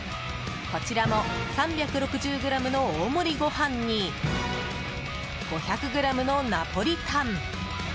こちらも３６０ｇの大盛りご飯に５００ｇのナポリタン。